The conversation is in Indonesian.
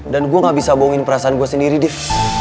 dan gue gak bisa bohongin perasaan gue sendiri div